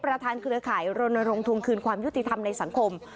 เครือข่ายรณรงค์ทวงคืนความยุติธรรมในสังคม